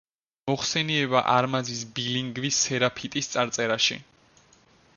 მოიხსენიება არმაზის ბილინგვის სერაფიტის წარწერაში.